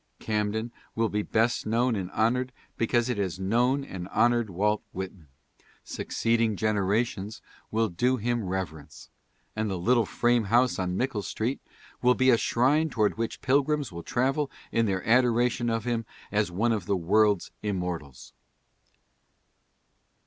Camden will be best known and honored because it has known and honored Walt Whitman. Succeeding generations will do him reverence, and the little frame house on Mickle street will be a shrine toward which pilgrims will travel in their adoration of him as one of the world's immortals.